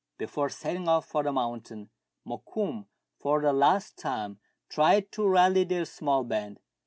Before setting off for the mountain, Mokoum, for the last time, tried to rally the small band.